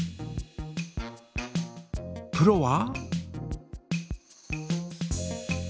プロは？